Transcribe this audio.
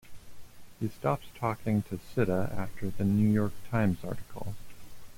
He stops talking to Sidda after the New York Times article.